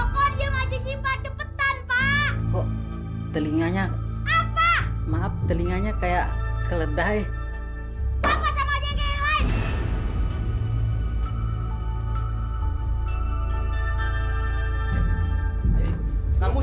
kenapa aku tidak menuruti nasihat bapak dan ibu abu